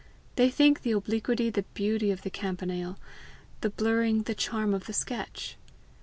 They think the obliquity the beauty of the campanile, the blurring the charm of the sketch.